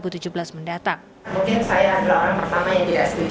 mungkin saya adalah orang pertama yang tidak